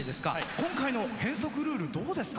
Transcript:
今回の変則ルールどうですか？